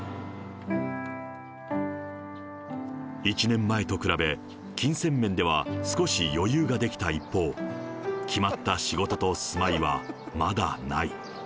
１年前と比べ、金銭面では少し余裕ができた一方、決まった仕事と住まいはまだない。